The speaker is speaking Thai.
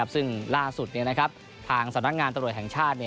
ซึ่งล่าสุดทางสำนักงานตรวจแห่งชาติ